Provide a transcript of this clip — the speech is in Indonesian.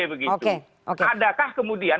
begitu adakah kemudian